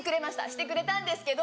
してくれたんですけど。